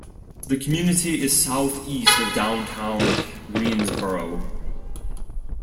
The community is southeast of downtown Greensboro.